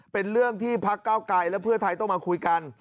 เป็นเรื่องที่พักเก้าไกรและเพื่อไทยต้องมาคุยกัน